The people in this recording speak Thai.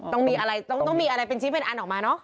ต้องมีอะไรเป็นชิ้นเป็นอันออกมาเนอะ